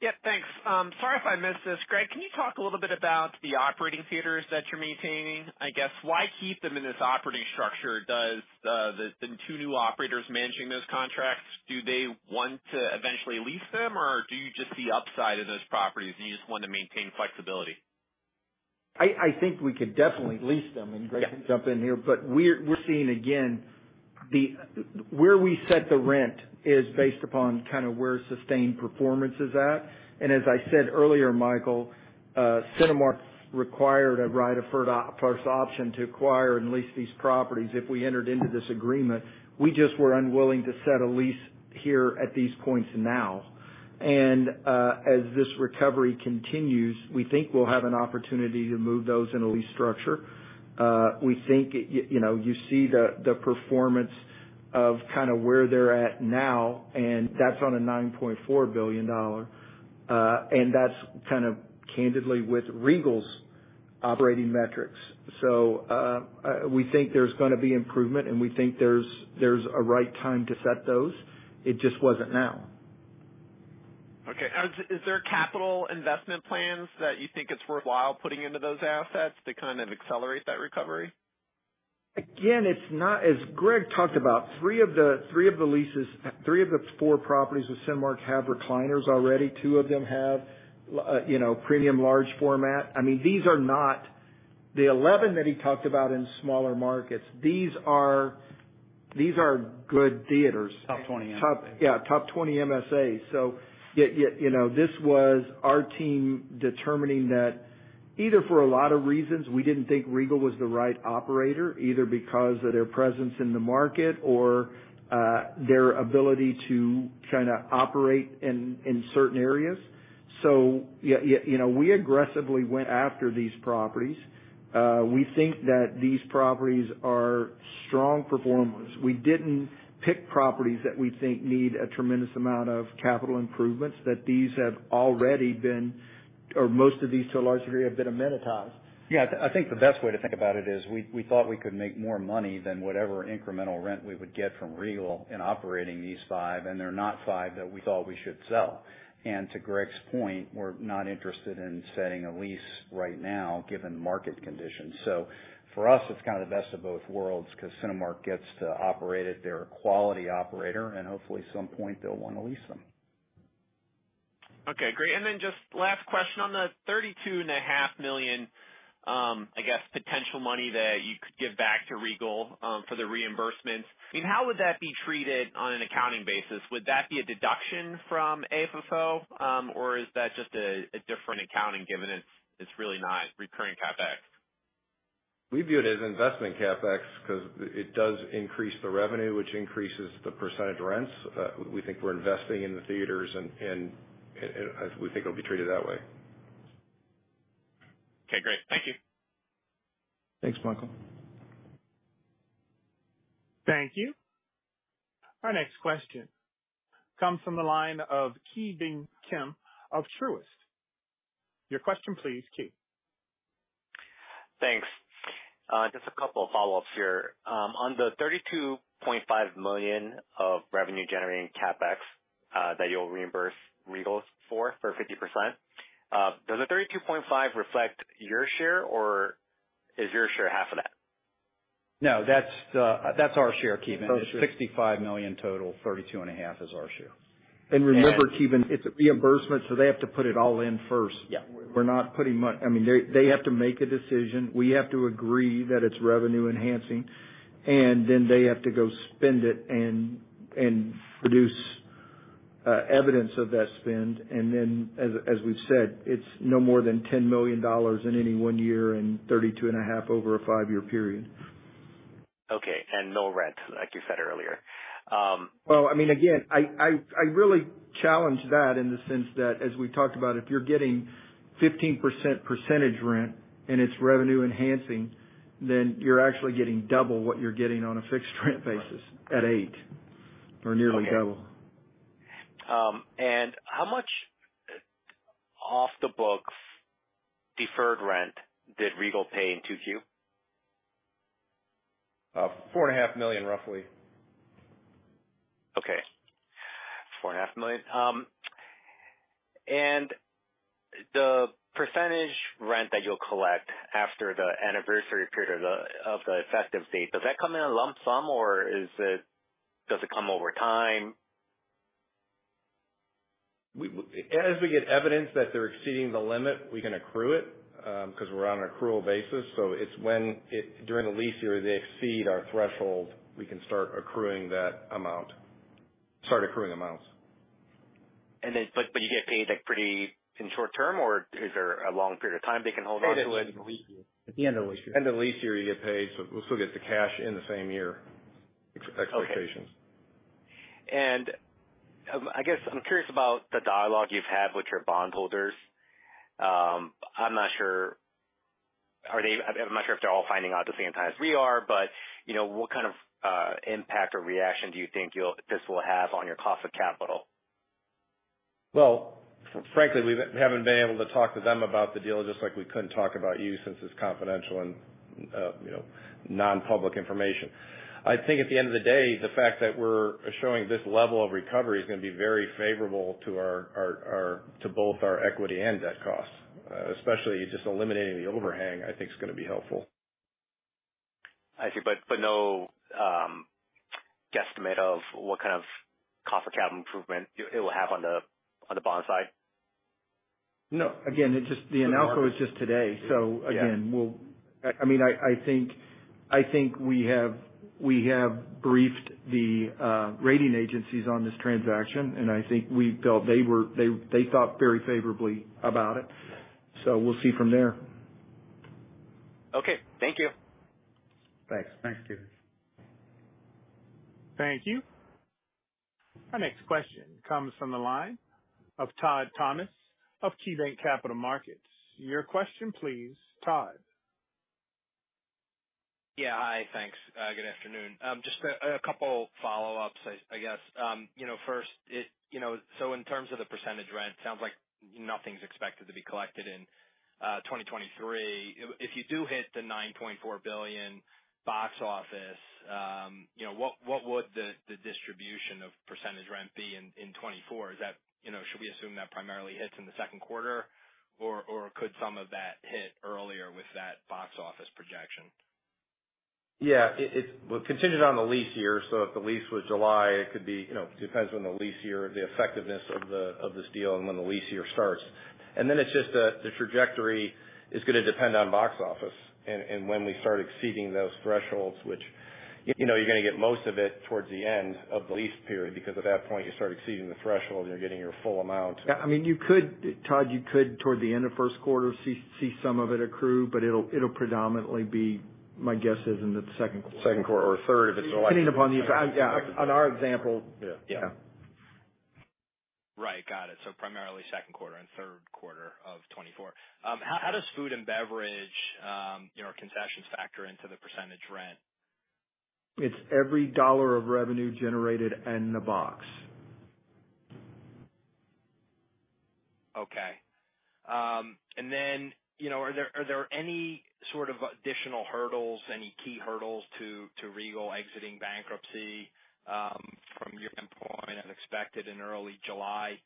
Yep, thanks. Sorry if I missed this. Greg, can you talk a little bit about the operating theaters that you're maintaining? I guess, why keep them in this operating structure? Does the two new operators managing those contracts, do they want to eventually lease them, or do you just see upside of those properties, and you just want to maintain flexibility? I think we could definitely lease them, and Greg can jump in here. We're seeing, again, the, where we set the rent is based upon kind of where sustained performance is at. As I said earlier, Michael, Cinemark required a right of first option to acquire and lease these properties if we entered into this agreement. We just were unwilling to set a lease here at these points now. As this recovery continues, we think we'll have an opportunity to move those in a lease structure. We think, you know, you see the performance of kind of where they're at now, and that's on a $9.4 billion, and that's kind of candidly with Regal's operating metrics. We think there's gonna be improvement, and we think there's a right time to set those. It just wasn't now. Okay. Is there capital investment plans that you think it's worthwhile putting into those assets to kind of accelerate that recovery? It's not, as Greg talked about, three of the four properties with Cinemark have recliners already. Two of them have, you know, premium large format. I mean, these are not the 11 that he talked about in smaller markets. These are good theaters. Top 20 MSA. Top, yeah, top 20 MSAs. Yet, you know, this was our team determining that either for a lot of reasons, we didn't think Regal was the right operator, either because of their presence in the market or their ability to kind of operate in certain areas. We think that these properties are strong performers. We didn't pick properties that we think need a tremendous amount of capital improvements, that these have already been, or most of these, to a large degree, have been amenitized. Yeah, I think the best way to think about it is we thought we could make more money than whatever incremental rent we would get from Regal in operating these five. They're not five that we thought we should sell. To Greg's point, we're not interested in setting a lease right now, given market conditions. For us, it's kind of the best of both worlds because Cinemark gets to operate it. They're a quality operator, and hopefully, at some point, they'll want to lease them. Okay, great. Just last question on the $32.5 million, I guess, potential money that you could give back to Regal, for the reimbursements. I mean, how would that be treated on an accounting basis? Would that be a deduction from AFFO? Or is that just a different accounting, given it's really not recurring CapEx? We view it as investment CapEx because it does increase the revenue, which increases the percentage rents. We think we're investing in the theaters, and we think it'll be treated that way. Okay, great. Thank you. Thanks, Michael. Thank you. Our next question comes from the line of Ki Bin Kim of Truist. Your question please, Ki. Thanks. Just a couple of follow-ups here. On the $32.5 million of revenue-generating CapEx, that you'll reimburse Regal for 50%, does the $32.5 reflect your share, or is your share half of that? No, that's the, that's our share, Ki. It's $65 million total. $32.5 million is our share. Remember, Ki, it's a reimbursement, so they have to put it all in first. Yeah. We're not putting much. I mean, they have to make a decision. We have to agree that it's revenue enhancing, and then they have to go spend it and produce evidence of that spend. As we've said, it's no more than $10 million in any one year, and $32.5 million over a five-year period. Okay. No rent, like you said earlier. Well, I mean, again, I really challenge that in the sense that, as we talked about, if you're getting 15% percentage rent and it's revenue enhancing, then you're actually getting double what you're getting on a fixed rent basis at 8%, or nearly double. How much off the books deferred rent did Regal pay in 2Q? $4.5 million, roughly. Okay. $4.5 million. The percentage rent that you'll collect after the anniversary period of the effective date, does that come in a lump sum, or does it come over time? As we get evidence that they're exceeding the limit, we can accrue it, because we're on an accrual basis. It's when during the lease year, they exceed our threshold, we can start accruing that amount. Start accruing amounts. You get paid, like, pretty in short term, or is there a long period of time they can hold on to it? At the end of the lease year. End of the lease year, you get paid, so we'll still get the cash in the same year expectations. Okay. I guess I'm curious about the dialogue you've had with your bondholders. I'm not sure if they're all finding out the same time as we are, but, you know, what kind of impact or reaction do you think this will have on your cost of capital? Well, frankly, we haven't been able to talk to them about the deal, just like we couldn't talk about you since it's confidential and, you know, non-public information. I think at the end of the day, the fact that we're showing this level of recovery is going to be very favorable to both our equity and debt costs, especially just eliminating the overhang, I think is going to be helpful. I see. But no, guesstimate of what kind of cost of capital improvement it will have on the, on the bond side? No. Again, the announcement was just today. Yeah. Again, I mean, I think we have briefed the rating agencies on this transaction, I think we felt they thought very favorably about it. We'll see from there. Okay, thank you. Thanks. Thanks, Ki. Thank you. Our next question comes from the line of Todd Thomas of KeyBanc Capital Markets. Your question please, Todd. Yeah. Hi, thanks. Good afternoon. Just a couple follow-ups, I guess. You know, first, you know, in terms of the percentage rent, sounds like nothing's expected to be collected in 2023, if you do hit the $9.4 billion box office, you know, what would the distribution of percentage rent be in 2024? Is that, you know, should we assume that primarily hits in the second quarter, or could some of that hit earlier with that box office projection? Well, contingent on the lease year. If the lease was July, it could be, you know, depends on the lease year, the effectiveness of this deal and when the lease year starts. It's just the trajectory is gonna depend on box office and when we start exceeding those thresholds, which, you know, you're gonna get most of it towards the end of the lease period, because at that point, you start exceeding the threshold, you're getting your full amount. Yeah. I mean, you could, Todd, you could, toward the end of first quarter, see some of it accrue. It'll predominantly be, my guess is in the second quarter. Second quarter or third, if it's. Yeah, on our example. Yeah. Yeah. Right. Got it. Primarily second quarter and third quarter of 2024. How does food and beverage, you know, concessions factor into the percentage rent? It's every dollar of revenue generated in the box. You know, are there any sort of additional hurdles, any key hurdles to Regal exiting bankruptcy from your standpoint, as expected in early July?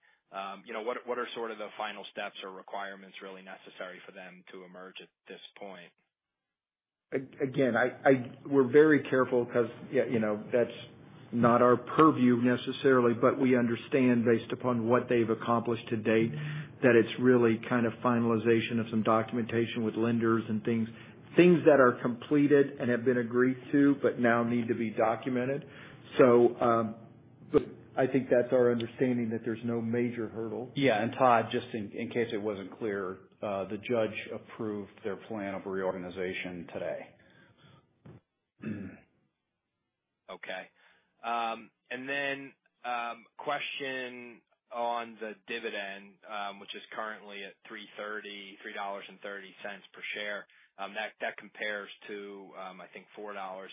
You know, what are sort of the final steps or requirements really necessary for them to emerge at this point? Again, I, we're very careful because, you know, that's not our purview necessarily, but we understand based upon what they've accomplished to date, that it's really kind of finalization of some documentation with lenders and things. Things that are completed and have been agreed to, but now need to be documented. But I think that's our understanding, that there's no major hurdle. Yeah, Todd, just in case it wasn't clear, the judge approved their plan of reorganization today. Okay. Then, question on the dividend, which is currently at $3.30 per share. That compares to, I think $4.50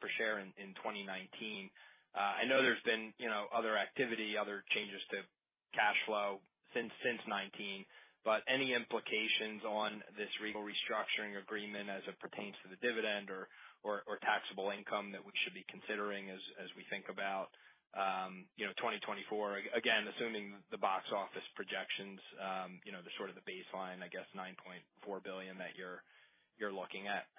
per share in 2019. I know there's been, you know, other activity, other changes to cash flow since 2019, but any implications on this Regal restructuring agreement as it pertains to the dividend or taxable income that we should be considering as we think about, you know, 2024? Again, assuming the box office projections, you know, the sort of the baseline, I guess, $9.4 billion that you're looking at.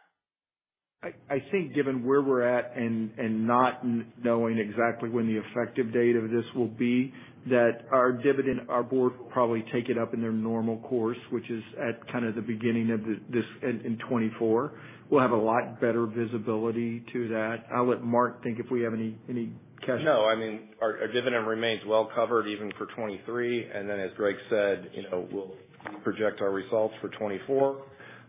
I think given where we're at and not knowing exactly when the effective date of this will be, that our dividend, our board will probably take it up in their normal course, which is at kind of the beginning of this in 2024. We'll have a lot better visibility to that. I'll let Mark think if we have any cash- No, I mean, our dividend remains well covered even for 2023. As Greg said, you know, we'll project our results for 2024,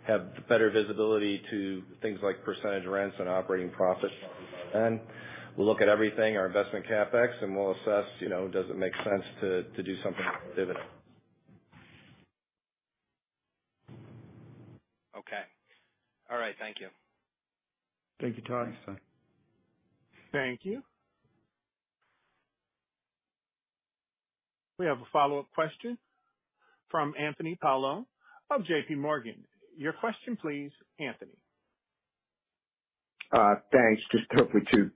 have better visibility to things like percentage rents and operating profit. We'll look at everything, our investment CapEx, and we'll assess, you know, does it make sense to do something with dividend? Okay. All right. Thank you. Thank you, Todd. Thanks. Thank you. We have a follow-up question from Anthony Paolone of J.P. Morgan. Your question please, Anthony. Thanks. Just hopefully two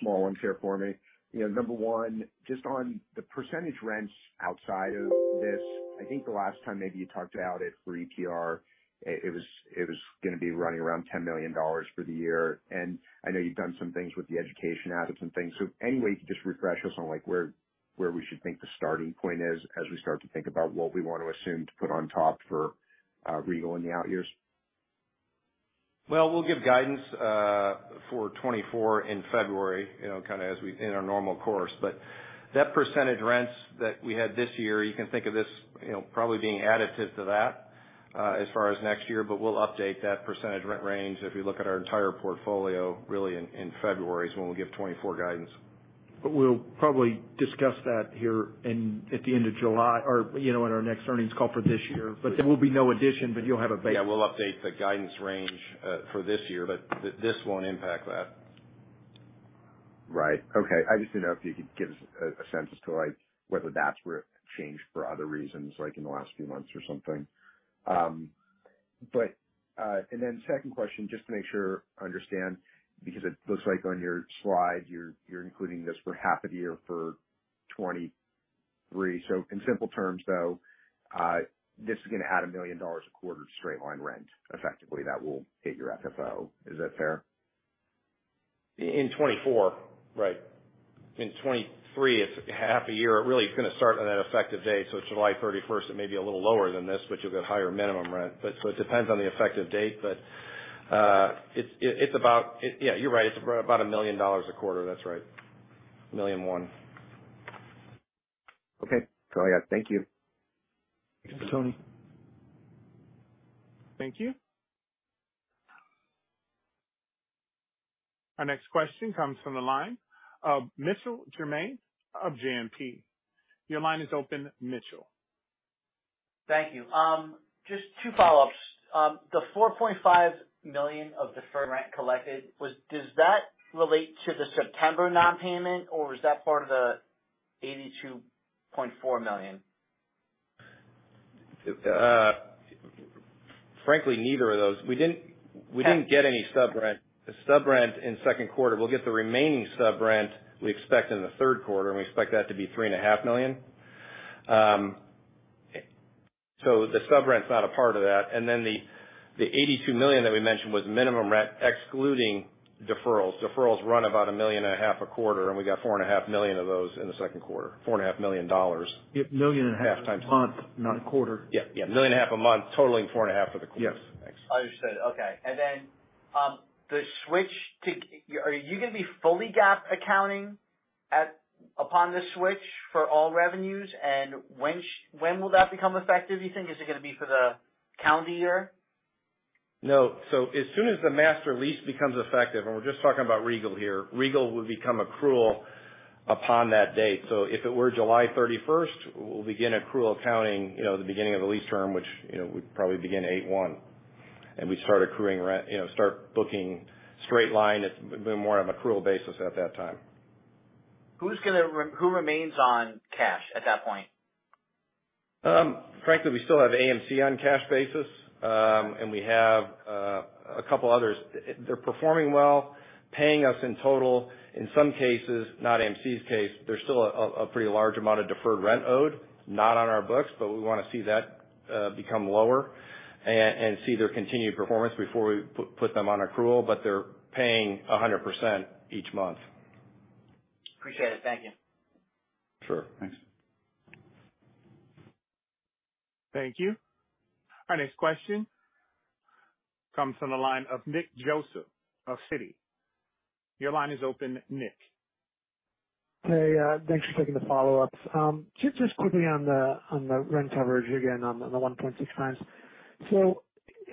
small ones here for me. You know, number one, just on the percentage rents outside of this, I think the last time maybe you talked about it for EPR, it was gonna be running around $10 million for the year. I know you've done some things with the education out of some things. Any way you could just refresh us on, like, where we should think the starting point is, as we start to think about what we want to assume to put on top for Regal in the out years? We'll give guidance for 2024 in February, you know, kind of as we in our normal course. That percentage rents that we had this year, you know, you can think of this probably being additive to that as far as next year, but we'll update that percentage rent range if we look at our entire portfolio, really in February is when we'll give 2024 guidance. We'll probably discuss that here in at the end of July or, you know, in our next earnings call for this year. There will be no addition, but you'll have a base. Yeah, we'll update the guidance range for this year, but this won't impact that. Right. Okay. I just didn't know if you could give us a sense as to, like, whether that's where it changed for other reasons, like in the last few months or something. The second question, just to make sure I understand, because it looks like on your slide, you're including this for half a year for 2023. In simple terms, though, this is gonna add $1 million a quarter to straight-line rent, effectively, that will hit your FFO. Is that fair? In 2024, right. In 2023, it's half a year. It really is gonna start on that effective date, so it's July 31stst. It may be a little lower than this, but you'll get higher minimum rent. It depends on the effective date, it's about... Yeah, you're right. It's about $1 million a quarter. That's right. $1 million. Okay. Yeah. Thank you. Thanks, Tony. Thank you. Our next question comes from the line of Mitchell Germain of JMP. Your line is open, Mitchell. Thank you. Just two follow-ups. The $4.5 million of deferred rent collected, does that relate to the September non-payment or was that part of the $82.4 million? Frankly, neither of those. We didn't get any subrent. The subrent in second quarter, we'll get the remaining subrent, we expect in the third quarter, and we expect that to be $ three and a half million. The subrent is not a part of that. The $82 million that we mentioned was minimum rent, excluding deferrals. Deferrals run about $1.5 million a quarter, and we got $4.5 million of those in the second quarter. $4.5 million. Yep, $1.5 million a month, not a quarter. Yeah, yeah. $1.5 million, totaling $4.5 million for the quarter. Yes. Understood. Okay. Then, are you gonna be fully GAAP accounting upon the switch for all revenues? When will that become effective, you think? Is it gonna be for the calendar year? No. As soon as the master lease becomes effective, and we're just talking about Regal here, Regal will become accrual upon that date. If it were July 31st, we'll begin accrual accounting, you know, at the beginning of the lease term, which, you know, we'd probably begin 8/1, and we'd start accruing rent, you know, start booking straight line. It's been more of accrual basis at that time. Who's gonna who remains on cash at that point? Frankly, we still have AMC on cash basis. We have a couple others. They're performing well, paying us in total. In some cases, not AMC's case, there's still a pretty large amount of deferred rent owed, not on our books, but we wanna see that become lower and see their continued performance before we put them on accrual. They're paying 100% each month. Appreciate it. Thank you. Sure. Thanks. Thank you. Our next question comes from the line of Nick Joseph, of Citi. Your line is open, Nick. Hey, thanks for taking the follow-ups. Just quickly on the rent coverage, again, on the 1.6 times.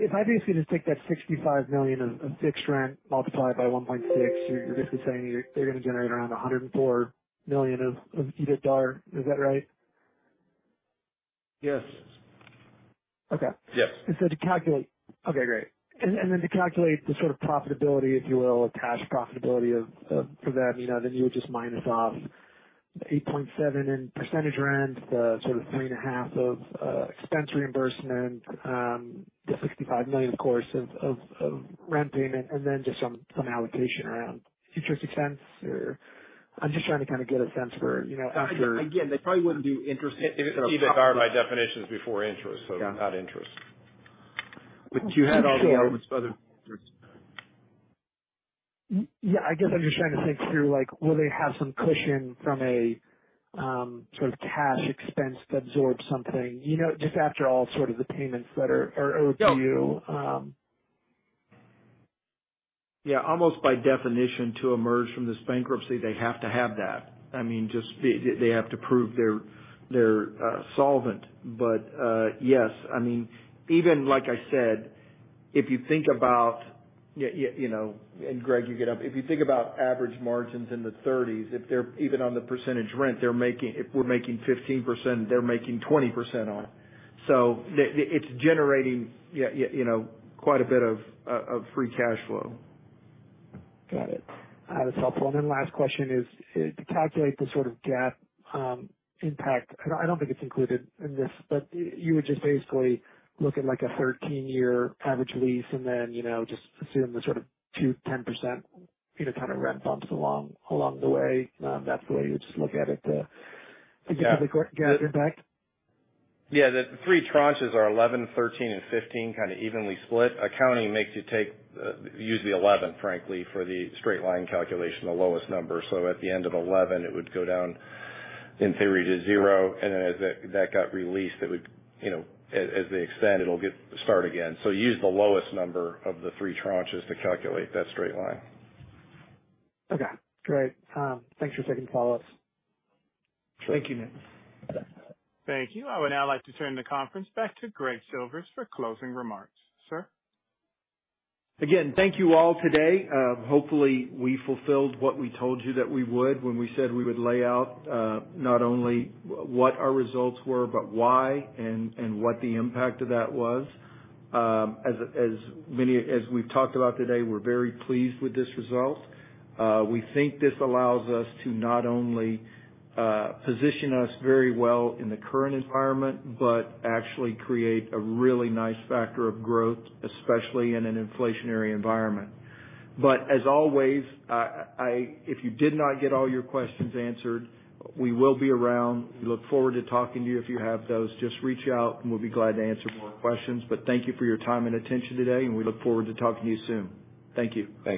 If I basically just take that $65 million of fixed rent multiplied by 1.6, they're gonna generate around $104 million of EBITDAR. Is that right? Yes. Okay. Yes. To calculate. Okay, great. Then to calculate the sort of profitability, if you will, or cash profitability of for them, you know, then you would just minus off $8.7 in percentage rent, the sort of $3.5 of expense reimbursement, the $65 million, of course, of rent payment, and then just some allocation around interest expense or... I'm just trying to kind of get a sense for, you know, after- Again, they probably wouldn't do interest-. EBITDAR, by definition, is before interest- Yeah. Without interest. you had all the other. Yeah, I guess I'm just trying to think through, like, will they have some cushion from a sort of cash expense to absorb something? You know, just after all sort of the payments that are owed to you. Almost by definition, to emerge from this bankruptcy, they have to have that. I mean, just they have to prove they're solvent. Yes. I mean, even like I said, if you think about, you know, and Greg, you get up, if you think about average margins in the 30s, if they're even on the percentage rent they're making, if we're making 15%, they're making 20% on it. The, it's generating, you know, quite a bit of free cash flow. Got it. That's helpful. Last question is, to calculate the sort of GAAP impact, and I don't think it's included in this, but you would just basically look at like a 13-year average lease and then, you know, just assume the sort of to 10% you know, kind of rent bumps along the way. That's the way you would just look at it? Yeah. To get the GAAP impact? The three tranches are 11, 13, and 15, kind of evenly split. Accounting makes you take use the 11, frankly, for the straight-line calculation, the lowest number. At the end of 11, it would go down, in theory, to 0, and then as that got released, it would, you know, as they extend, start again. Use the lowest number of the three tranches to calculate that straight-line. Okay, great. Thanks for taking the follow-ups. Thank you, Nick. Thank you. I would now like to turn the conference back to Greg Silvers for closing remarks. Sir? Again, thank you all today. Hopefully, we fulfilled what we told you that we would when we said we would lay out, not only what our results were, but why and what the impact of that was. As, as many, as we've talked about today, we're very pleased with this result. We think this allows us to not only, position us very well in the current environment, but actually create a really nice factor of growth, especially in an inflationary environment. As always, I, if you did not get all your questions answered, we will be around. We look forward to talking to you if you have those. Just reach out, and we'll be glad to answer more questions. Thank you for your time and attention today, and we look forward to talking to you soon. Thank you. Thanks.